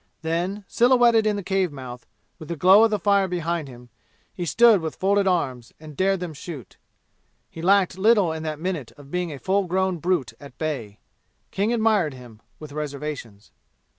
Then, silhouetted in the cave mouth, with the glow of the fire behind him, he stood with folded arms and dared them shoot. He lacked little in that minute of being a full grown brute at bay. King admired him, with reservations.